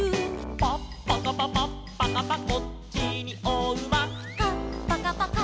「パッパカパパッパカパこっちにおうま」「カッパカパカッパカパ」